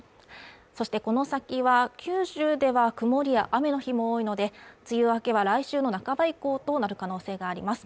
そしてこの先は、九州では曇りや雨の日も多いので、梅雨明けは来週の半ば以降となる可能性があります。